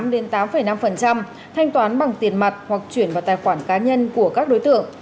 đến tám năm thanh toán bằng tiền mặt hoặc chuyển vào tài khoản cá nhân của các đối tượng